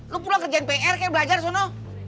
lo pulang kerjaan pr kayak belajar di sana